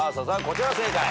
こちら正解。